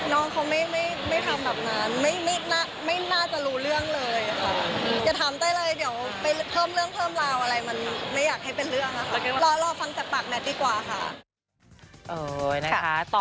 น้องเขาไม่ทำแบบนั้น